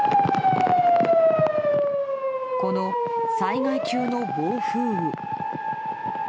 この災害級の暴風雨。